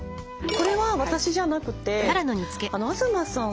これは私じゃなくて東さん